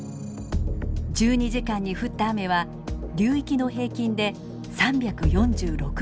１２時間に降った雨は流域の平均で３４６ｍｍ。